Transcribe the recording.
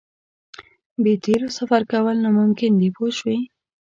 بې تیلو سفر کول ناممکن دي پوه شوې!.